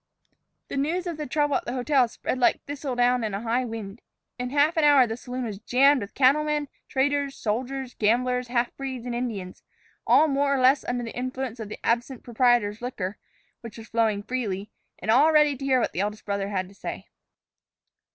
The news of the trouble at the hotel spread like thistle down in a high wind. In half an hour the saloon was jammed with cattlemen, traders, soldiers, gamblers, half breeds, and Indians, all more or less under the influence of the absent proprietor's liquor, which was flowing freely, and all ready to hear what the eldest brother had to say.